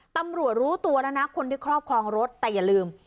ตำรวจรู้ตัวแล้วนะคนที่ครอบครองรถแต่อย่าลืม